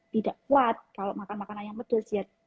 tidak kuat kalau makan makanan yang pedas